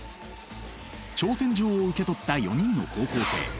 挑戦状を受け取った４人の高校生。